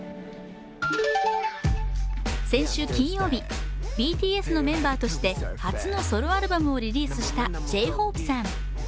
先週金曜日、ＢＴＳのメンバーとして初のソロアルバムをリリースしたＪ−ＨＯＰＥさん。